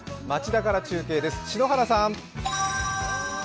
町田から中継です、篠原さん。